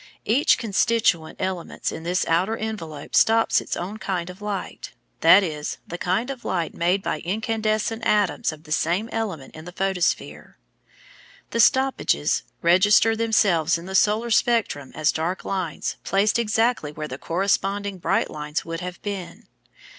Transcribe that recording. Each constituent element in this outer envelope stops its own kind of light, that is, the kind of light made by incandescent atoms of the same element in the photosphere. The "stoppages" register themselves in the solar spectrum as dark lines placed exactly where the corresponding bright lines would have been.